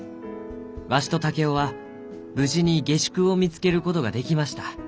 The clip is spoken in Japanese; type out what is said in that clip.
わしと竹雄は無事に下宿を見つけることができました。